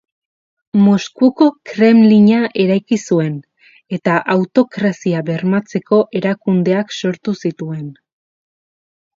Moskuko Kremlina eraiki zuen, eta autokrazia bermatzeko erakundeak sortu zituen.